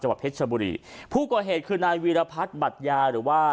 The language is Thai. วัดเพชรชบุรีผู้ก่อเหตุคือนายวีรพัฒน์บัตยาหรือว่า